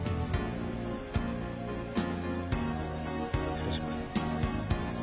失礼します。